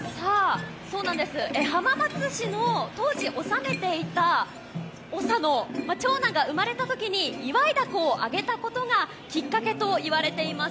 浜松市の当時、納めていた長の長男が生まれたときに祝い凧を揚げたことがきっかけとされています。